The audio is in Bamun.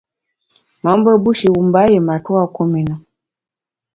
Mo’mbe bushi wum mba yié matua kum i na.